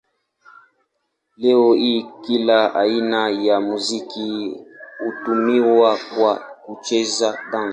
Leo hii kila aina ya muziki hutumiwa kwa kucheza dansi.